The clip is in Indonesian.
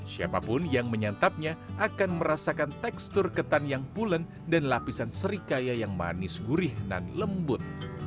siapapun yang menyantapnya akan merasakan tekstur ketan yang pulen dan lapisan serikaya yang manis gurih dan lembut